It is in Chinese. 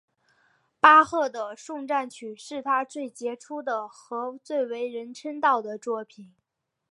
巴赫的颂赞曲是他最杰出的和最为人称道的作品。